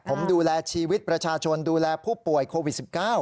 ผมดูแลชีวิตประชาชนดูแลผู้ป่วยโควิด๑๙